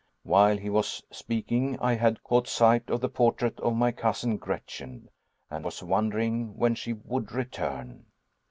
While he was speaking I had caught sight of the portrait of my cousin Gretchen, and was wondering when she would return.